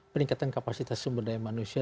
peningkatan kapasitas sumber daya manusia